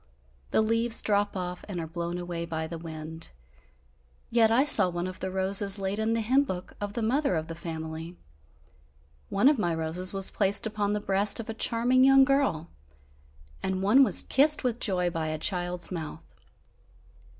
The leaves drop off and are blown away by the wind. Yet, I saw one of the roses laid in the hymn book of the mother of the family; one of my roses was placed upon the breast of a charming young girl, and one was kissed with joy by a child's mouth.